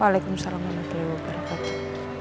waalaikumsalam warahmatullahi wabarakatuh